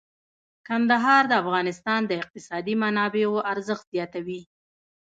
کندهار د افغانستان د اقتصادي منابعو ارزښت زیاتوي.